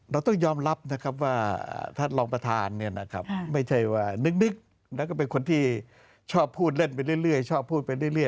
เราต้องยอมรับนะครับว่าท่านรองประธานไม่ใช่ว่านึกแล้วก็เป็นคนที่ชอบพูดเล่นไปเรื่อยชอบพูดไปเรื่อย